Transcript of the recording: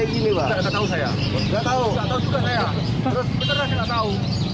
nggak tahu juga saya